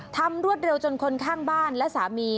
รวดเร็วจนคนข้างบ้านและสามี